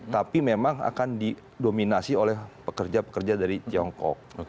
tapi memang akan didominasi oleh pekerja pekerja dari tiongkok